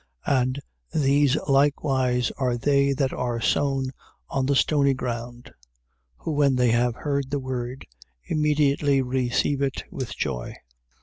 4:16. And these likewise are they that are sown on the stony ground: who when they have heard the word, immediately receive it with joy.